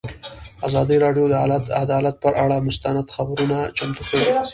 ازادي راډیو د عدالت پر اړه مستند خپرونه چمتو کړې.